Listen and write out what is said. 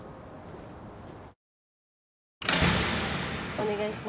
お願いします。